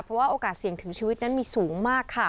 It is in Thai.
เพราะว่าโอกาสเสี่ยงถึงชีวิตนั้นมีสูงมากค่ะ